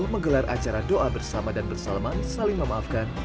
menggelar acara doa bersama dan bersalaman saling memaafkan